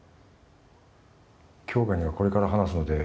杏花にはこれから話すので